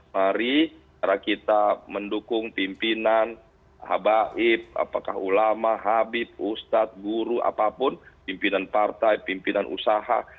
mari kita mendukung pimpinan habaib apakah ulama habib ustadz guru apapun pimpinan partai pimpinan usaha